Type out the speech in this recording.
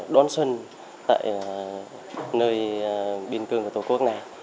đón xuân tại nơi biên cương của tổ quốc này